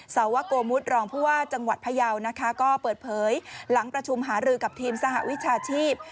สาวโกมุทรองผู้ว่าจังหวัดพยาวนะคะก็เปิดเผยหลังประชุมหารือกับทีมสหวิชาชีพ